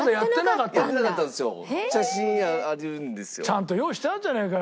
ちゃんと用意してあるじゃねえかよ。